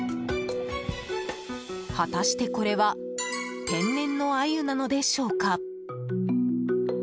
果たして、これは天然のアユなのでしょうか？